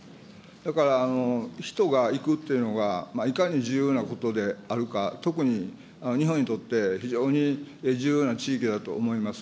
だから、人が行くっていうのが、いかに重要なことであるか、特に、日本にとって非常に重要な地域だと思います。